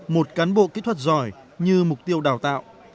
một cán bộ kỹ thuật giỏi như mục tiêu đào tạo